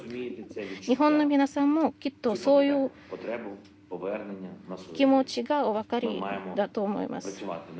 日本の皆さんもきっとそういう気持ちがお分かりだと思います。